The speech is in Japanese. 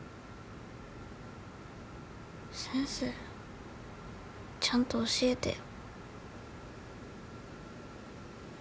先生ちゃんと教えてよ。